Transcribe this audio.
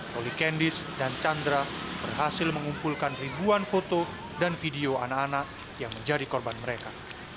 roli candis dan chandra berhasil mengumpulkan ribuan foto dan video anak anak yang menjadi korban mereka